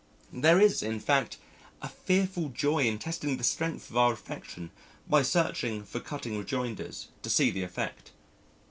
There is, in fact, a fearful joy in testing the strength of our affection by searching for cutting rejoinders to see the effect.